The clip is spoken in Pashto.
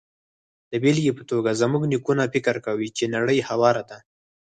د بېلګې په توګه، زموږ نیکونو فکر کاوه چې نړۍ هواره ده.